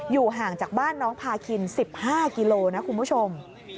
ห่างจากบ้านน้องพาคิน๑๕กิโลนะคุณผู้ชม